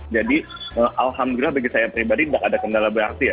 jadi alhamdulillah bagi saya pribadi nggak ada kendala berarti ya